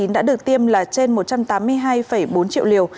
đã được tiêm là trên một trăm tám mươi hai bốn triệu liều